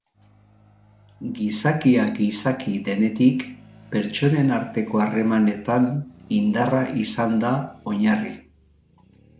Gizakia gizaki denetik pertsonen arteko harremanetan indarra izan da oinarri.